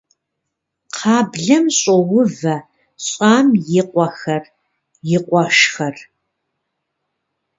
Кхъаблэм щӏоувэ лӏам и къуэхэр, и къуэшхэр.